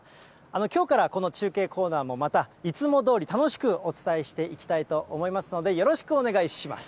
きょうからこの中継コーナーも、また、いつもどおり、楽しくお伝えしていきたいと思いますので、よろしくお願いします。